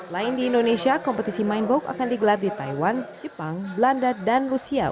lain di indonesia kompetisi mindbox akan digelar di taiwan jepang belanda dan rusia